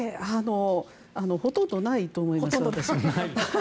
ほとんどないと思います私は。